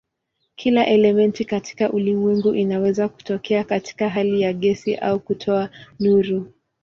Kila elementi katika ulimwengu inaweza kutokea katika hali ya gesi na kutoa nuru.